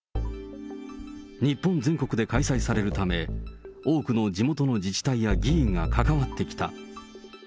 日本全国で開催されるため、多くの地元の自治体や議員が関わってきた。